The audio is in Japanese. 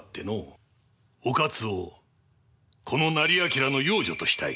於一をこの斉彬の養女としたい。